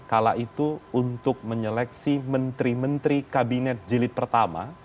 kala itu untuk menyeleksi menteri menteri kabinet jilid pertama